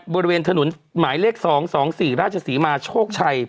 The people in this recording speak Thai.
บริเวณถนนหมายเลข๒๒๔ราชศรีมาโชคชัย